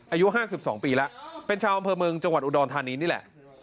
อายุ๕๒ปีแล้วเป็นชาวอำเภอเมืองจังหวัดอุดรธานีนี่แหละ